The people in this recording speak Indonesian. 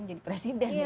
mungkin jadi presiden